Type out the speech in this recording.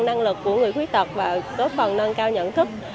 năng lực của người khuyết tật và góp phần nâng cao nhận thức